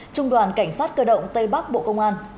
trung đoàn cảnh sát cơ động tây bắc bộ công an